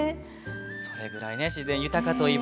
それぐらいね自然豊かといいますか。